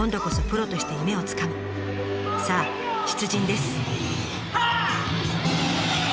さあ出陣です。